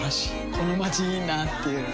このまちいいなぁっていう